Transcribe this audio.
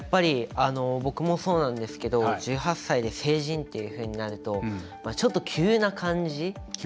僕もそうなんですけど１８歳で成人というふうになるとちょっと急な感じ。